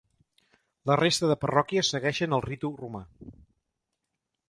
La resta de parròquies segueixen el ritu romà.